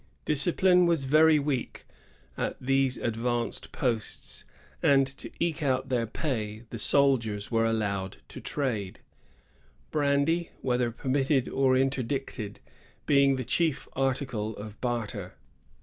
Discipline was very weak at these advanced posts, and, to eke out their pay, the soldiers were allowed to trade, — brandy, whether permitted or interdicted, being the chief article of barter.